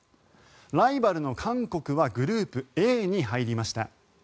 ライバルの韓国はグループＡに入りました。